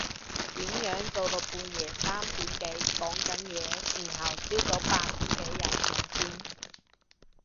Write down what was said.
點樣做到半夜三點幾講緊嘢然後朝早八點幾又上線？